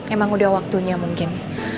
emang udah waktunya mungkin